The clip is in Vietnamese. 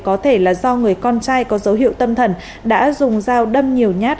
có thể là do người con trai có dấu hiệu tâm thần đã dùng dao đâm nhiều nhát